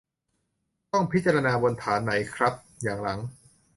ต้องพิจารณาบนฐานไหนครับ อย่างหลัง ?